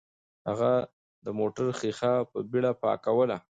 هغه د موټر ښیښه په بیړه پاکوله.